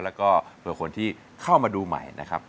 แล้วก็เผื่อคนที่เข้ามาดูใหม่นะครับ